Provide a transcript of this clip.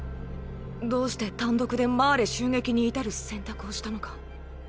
どうして単独でマーレ襲撃に至る選択をしたのか。